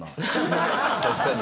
確かに。